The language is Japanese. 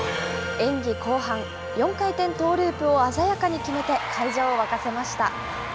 演技後半、４回転トーループを鮮やかに決めて会場を沸かせました。